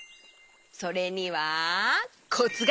それにはコツがあるの！